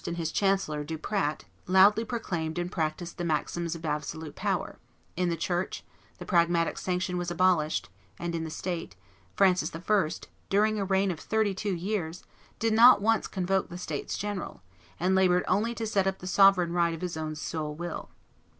and his chancellor, Duprat, loudly proclaimed and practised the maxims of absolute power; in the church, the Pragmatic Sanction was abolished; and in the state, Francis I., during a reign of thirty two years, did not once convoke the States General, and labored only to set up the sovereign right of his own sole will.